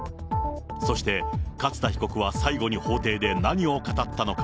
そして、勝田被告は最後に法廷で何を語ったのか。